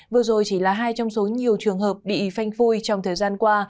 vừa rồi chỉ là hai trong số nhiều trường hợp bị phanh phui trong thời gian qua